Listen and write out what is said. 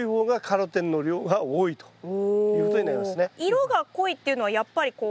色が濃いっていうのはやっぱりこう。